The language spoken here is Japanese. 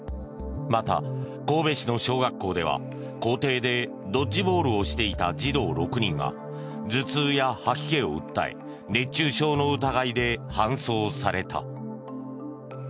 また神戸市の小学校では校庭でドッジボールをしていた児童６人が頭痛や吐き気を訴え熱中症の疑いで搬送された。